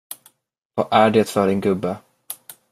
Vad är det för en gubbe?